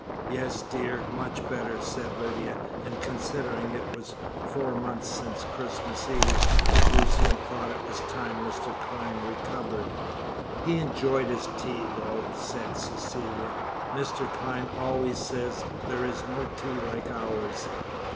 "Yes, dear, much better," said Lydia, and considering it was four months since Christmas Eve, Lucian thought it was time Mr. Clyne recovered. "He enjoyed his tea, though," said Cecilia. "Mr. Clyne always says there is no tea like ours."